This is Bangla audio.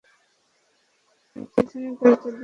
পিছনের দরজা দিয়ে তাদের নিয়ে যাও।